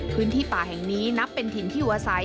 พื้นที่ป่าแห่งนี้นับเป็นถิ่นที่อยู่อาศัย